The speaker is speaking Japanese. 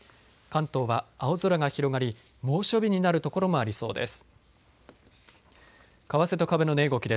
関東は青空が広がり猛暑日になる所もありそうです。